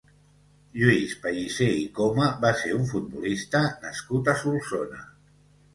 Lluís Pellicer i Coma va ser un futbolista nascut a Solsona.